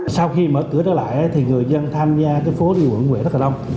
sau khi mở cửa trở lại người dân tham gia phố đi bộ nguyễn huệ rất là đông